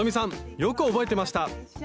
よく覚えてました！